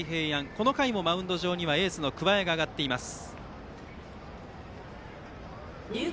この回もマウンド上にはエースの桑江が上がっています。